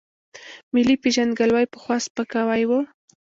ملي پېژندګلوۍ پخوا سپکاوی و.